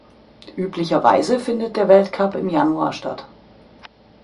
Üblicherweise findet der Weltcup im Januar statt.